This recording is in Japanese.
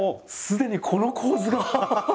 すでにこの構図がハハハ！